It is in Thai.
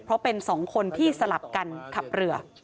เพราะเป็นสองคนที่สลับกันขับเรือ